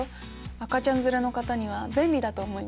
赤ちゃん連れの方には便利だと思います。